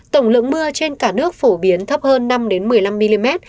tổng lượng mưa trên cả nước phổ biến thấp hơn năm một mươi năm mm